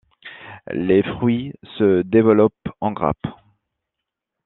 Les fruits se développent en grappes.